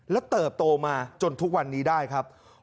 และเติบโตมาจนทุกวันนี้ได้ครับ